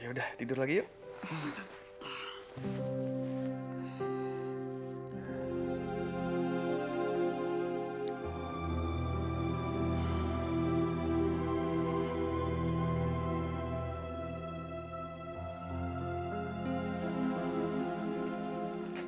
yaudah tidur lagi yuk